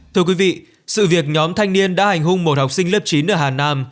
thưa quý vị sự việc nhóm thanh niên đã hành hung một học sinh lớp chín ở hà nam